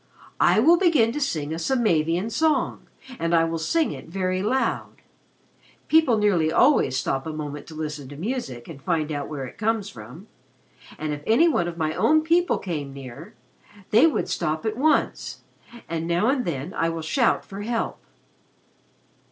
"I will begin to sing a Samavian song, and I will sing it very loud. People nearly always stop a moment to listen to music and find out where it comes from. And if any of my own people came near, they would stop at once and now and then I will shout for help."